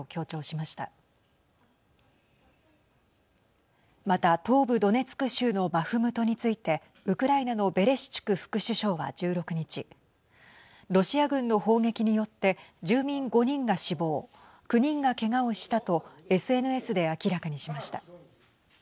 また東部ドネツク州のバフムトについてウクライナのベレシチュク副首相は１６日ロシア軍の砲撃によって住民５人が死亡９人がけがをしたとＳＮＳで明らかにしました。